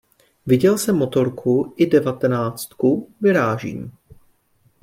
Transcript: Viděl jsem motorku i devatenáctku, vyrážím.